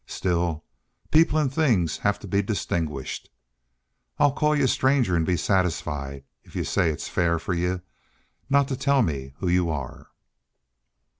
Still, people an' things have to be distinguished. I'll call y'u 'Stranger' an' be satisfied if y'u say it's fair for y'u not to tell who y'u are."